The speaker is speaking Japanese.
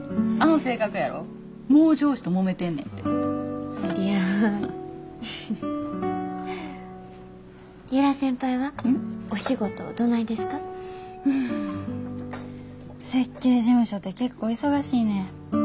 うん設計事務所って結構忙しいねん。